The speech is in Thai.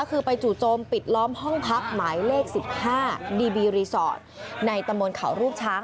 คือไปจู่โจมปิดล้อมห้องพักหมายเลข๑๕ดีบีรีสอร์ทในตะมนต์เขารูปช้าง